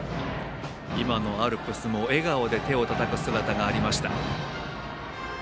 今のアルプスも笑顔で手をたたく姿がありました。